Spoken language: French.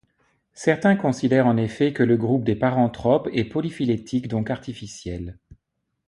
Certains considèrent en effet que le groupe des Paranthropes est polyphylétique donc artificiel.